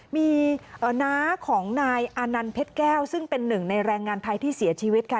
มีน้าของนายอานันต์เพชรแก้วซึ่งเป็นหนึ่งในแรงงานไทยที่เสียชีวิตค่ะ